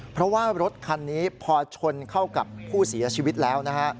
เพราะว่ารถคันนี้พอชนเข้ากับผู้เสียชีวิตแล้วนะฮะ